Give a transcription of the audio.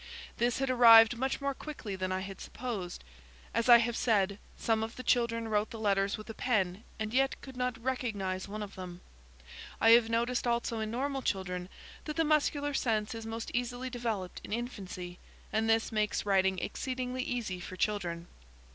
This had arrived much more quickly than I had supposed. As I have said, some of the children wrote the letters with a pen and yet could not recognise one of them. I have noticed, also, in normal children, that the muscular sense is most easily developed in infancy, and this makes writing exceedingly easy for children.